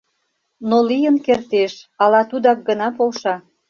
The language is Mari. Но лийын кертеш, ала тудак гына полша...